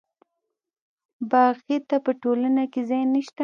باغي ته په ټولنه کې ځای نشته.